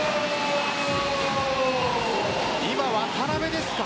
今、渡邊ですか？